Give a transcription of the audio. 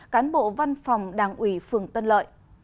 cán bộ văn phòng đảng ủy phường tân lợi